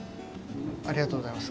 ありがとうございます。